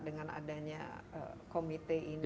dengan adanya komite ini